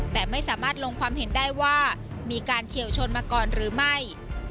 แต่ไม่สามารถลงความเห็นได้ว่ามีการเฉียวชนมาก่อนหรือไม่